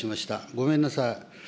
ごめんなさい。